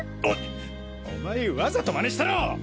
おお前わざと真似したろ！